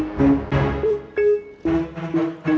jom ejen yang kot